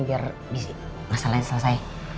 biar masalahnya selesai